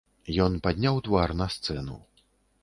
Ён падняў твар на сцэну.